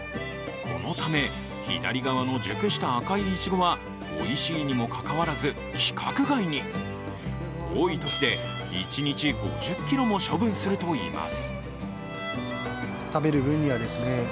このため左側の熟した赤いいちごはおいしいにもかかわらず、規格外に多いときで一日５０ｋｇも処分するといいます。